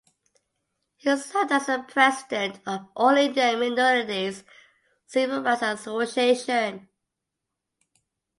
He served as the president of All India Minorities Civil Rights Association.